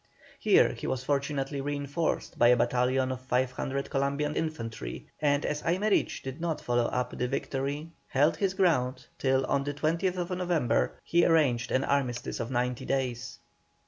Here he was fortunately reinforced by a battalion of 500 Columbian infantry, and as Aymerich did not follow up the victory, held his ground, till on the 20th November he arranged an armistice of ninety days.